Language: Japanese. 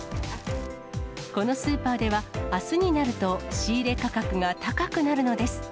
このスーパーでは、あすになると、仕入れ価格が高くなるのです。